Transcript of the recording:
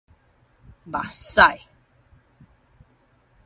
目屎